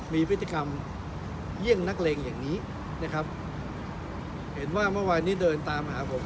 มีพฤติกรรมเยี่ยงนักเลงอย่างนี้นะครับเห็นว่าเมื่อวานนี้เดินตามหาผม